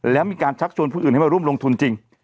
แล้วมีการชักชวนผู้อื่นให้มาร่วมลงทุนจริง